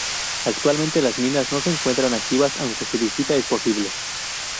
Actualmente las minas no se encuentran activas, aunque su visita es posible.